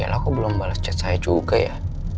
yel aku belum balas chat saya juga ya